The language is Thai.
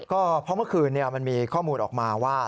ก็เพราะเมื่อคืนมันมีข้อมูลออกมาว่า